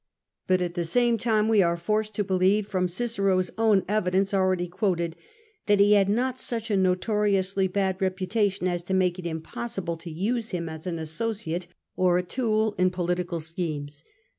But at the same time we are forced to believe, from Cicero's own evidence already quoted, that he had not such a notoriously bad reputation as to make it impossible to use him as an associate or a tool in political schemes.